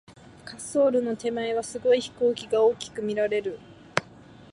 滑走路の手前は、すごい飛行機が大きく見られる。